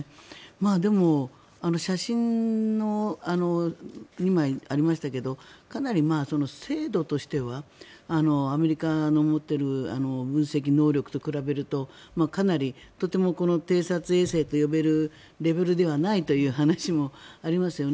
でも、写真が２枚ありましたけどかなり精度としてはアメリカの持っている分析能力と比べるとかなり、とても偵察衛星と呼べるレベルではないという話もありますよね。